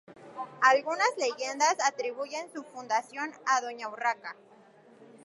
Algunas leyendas atribuyen su fundación a Doña Urraca.